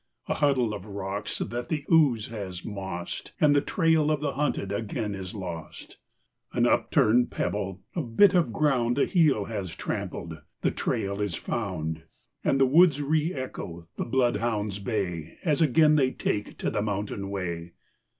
A huddle of rocks that the ooze has mossed And the trail of the hunted again is lost. An upturned pebble, a bit of ground A heel has trampled the trail is found. And the woods reëcho the bloodhounds' bay As again they take to the mountain way.